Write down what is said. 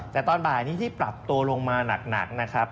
แต่ตอนบ่ายนี้ที่ปรับตัวลงมาหนักนะครับ